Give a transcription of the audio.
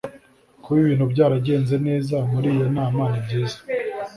kuba ibintu byaragenze neza muri iyo nama ni byiza